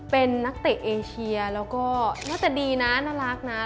เป็นนักเตะเอเชียแล้วก็หน้าตาดีนะน่ารักนะ